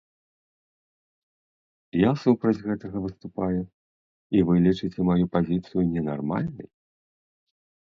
Я супраць гэтага выступаю, і вы лічыце маю пазіцыю ненармальнай?